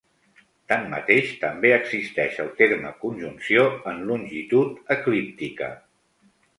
Tanmateix, també existeix el terme conjunció en longitud eclíptica.